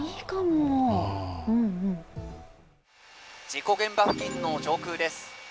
事故現場付近の上空です。